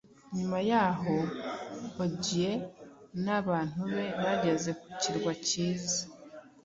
Nyuma yaho, Odyeu n'abantu be bageze ku kirwa cyiza